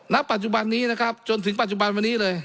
ณปัจจุบันนี้นะครับจนถึงปัจจุบันวันนี้เลย